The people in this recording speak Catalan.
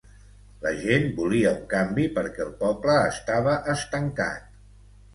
la gent volia un canvi perquè el poble estava estancat